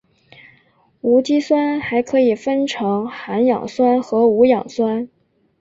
无机酸还可以分成含氧酸和无氧酸。